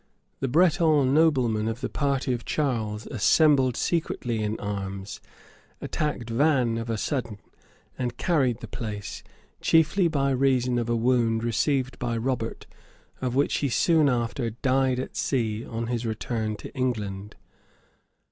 The Breton noblemen of the party of Charles assembled secretly in arms, attacked Vannes of a sudden, and carried the place; chiefly by reason of a wound received by Robert, of which he soon after died at sea, on his return to England.